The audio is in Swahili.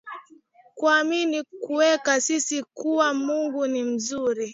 Kuamini kawake sisi kwa mungu ni nzuri